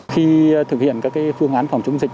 khi thực hiện các phương án phòng chống dịch